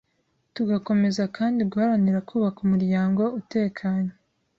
Tugakomeza kandi guharanira kubaka umuryango utekanye